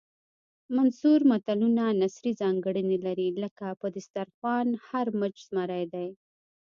منثور متلونه نثري ځانګړنې لري لکه په دسترخوان هر مچ زمری دی